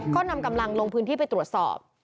ก็นำกำลังลงพื้นที่ไปตรวจสอบ